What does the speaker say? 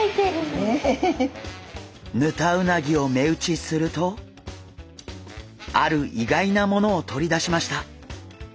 ヌタウナギを目打ちするとある意外なものを取り出しました。